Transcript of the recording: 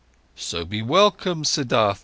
"So be welcome, Siddhartha.